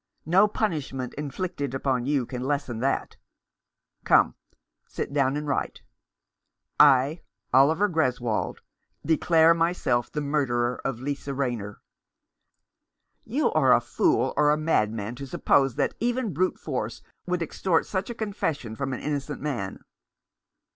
No punishment inflicted upon you can lessen that. Come, sit down and write :' I, Oliver Greswold, declare myself the murderer of Lisa Rayner.' " "You are a fool or a madman to suppose that even brute force would extort such a confession from an innocent man."